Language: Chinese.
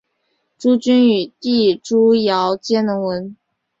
朱筠与弟朱圭皆能文。